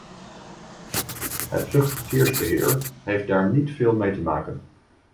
Het luchtverkeersbeheer heeft daar niet veel mee te maken.